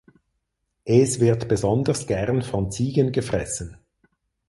Es wird besonders gern von Ziegen gefressen.